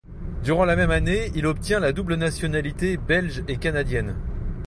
Durant la même année, il obtient la double nationalité belge et canadienne.